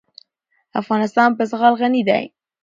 افغانستان په زغال غني دی.